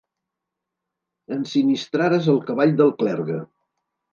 Ensinistrares el cavall del clergue.